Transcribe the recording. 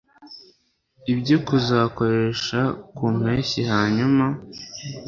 byo kuzakoresha ku mpeshyi hanyuma